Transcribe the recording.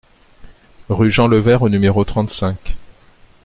Rue Jean Levert au numéro trente-cinq